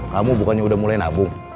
kamu bukannya udah mulai nabung